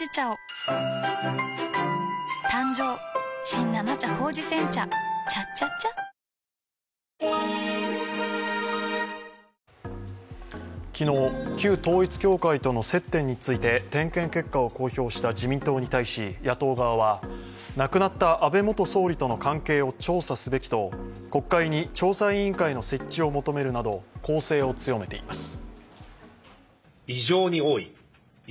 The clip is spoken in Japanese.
森氏の代理人弁護士はＪＮＮの取材に対し、昨日、旧統一教会との接点について点検結果を公表した自民党に対し、野党側は亡くなった安倍元総理との関係を調査すべきと、国会に調査委員会の設置を求めるなど攻勢を強めています。